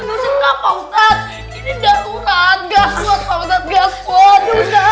enggak apa apa ustaz ini darurat gaswat ustaz gaswat